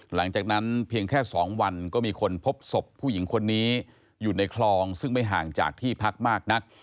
หลังจากนั้นเพียงแค่๒วันก็มีคนพบศพผู้หญิงคนนี้อยู่ในคลองซึ่งไม่ห่างจากที่พักมากนัก